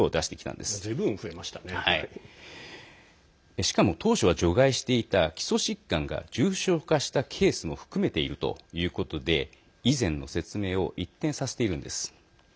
しかも当初は除外していた基礎疾患が重症化したケースも含めているということで以前の説明を一転させているんです。